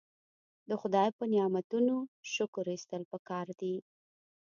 د خدای په نعمتونو شکر ایستل پکار دي.